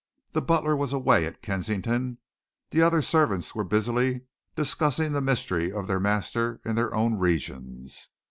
The butler was away at Kensington; the other servants were busily discussing the mystery of their master in their own regions.